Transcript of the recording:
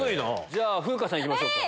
じゃあ風花さんいきましょうか。